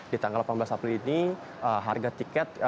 di tanggal delapan belas april ini harga tiket